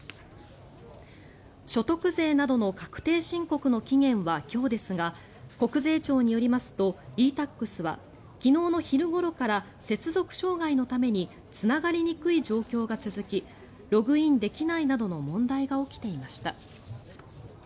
所得税などの確定申告の期限は今日ですが国税庁によりますとｅ−Ｔａｘは昨日の昼ごろから接続障害のためにつながりにくい状況が続きログインできないなどの問題が起きていました。